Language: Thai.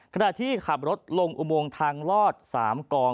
ขณะที่ขับรถลงอุโมงทางลอด๓กอง